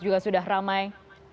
juga sudah ramai